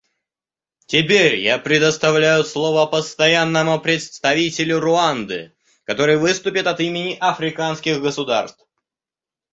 Теперь я предоставляю слово Постоянному представителю Руанды, который выступит от имени африканских государств.